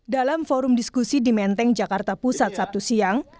dalam forum diskusi di menteng jakarta pusat sabtu siang